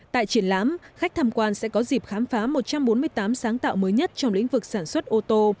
tại triển lãm khách tham quan sẽ có dịp khám phá một trăm bốn mươi tám sáng tạo mới nhất trong lĩnh vực sản xuất ô tô